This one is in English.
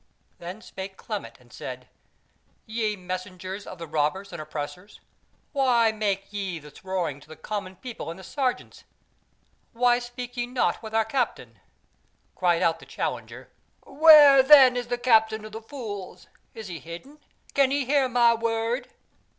Then spake Clement and said: "Ye messengers of the robbers and oppressors, why make ye this roaring to the common people and the sergeants? Why speak ye not with our Captain?" Cried out the challenger, "Where then is the Captain of the Fools? is he hidden? can he hear my word?"